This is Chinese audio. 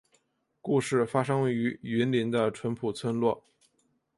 故事发生于云林的纯朴村落